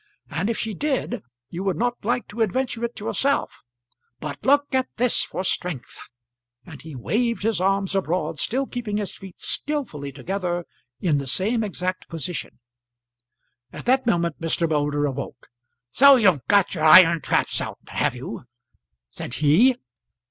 And if she did, you would not like to adventure it yourself. But look at this for strength," and he waved his arms abroad, still keeping his feet skilfully together in the same exact position. At that moment Mr. Moulder awoke. "So you've got your iron traps out, have you?" said he.